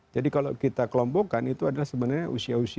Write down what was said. jadi kalau kita kelompokkan itu adalah sebenarnya usia millennial